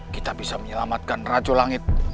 kita bisa menyelamatkan racu langit